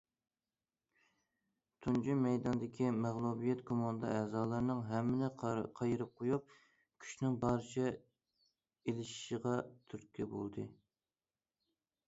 تۇنجى مەيداندىكى مەغلۇبىيەت كوماندا ئەزالىرىنىڭ ھەممىنى قايرىپ قويۇپ، كۈچىنىڭ بارىچە ئېلىشىشىغا تۈرتكە بولدى.